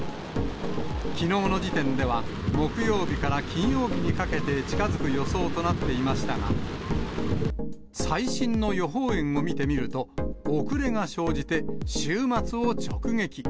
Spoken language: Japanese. きのうの時点では、木曜日から金曜日にかけて近づく予想となっていましたが、最新の予報円を見てみると、遅れが生じて、週末を直撃。